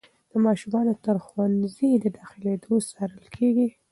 ماشومان تر ښوونځي داخلېدو څارل کېږي.